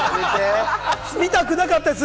見たくなかったやつ。